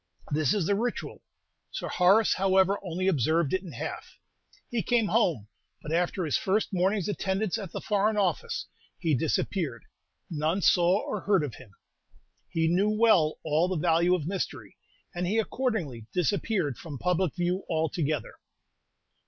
This is the ritual. Sir Horace, however, only observed it in half. He came home; but after his first morning's attendance at the Foreign Office, he disappeared; none saw or heard of him. He knew well all the value of mystery, and he accordingly disappeared from public view altogether.